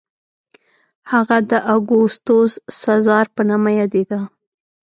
هغه د اګوستوس سزار په نامه یادېده.